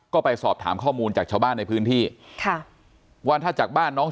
ก็ไปสอบถามข้อมูลจากชาวบ้าน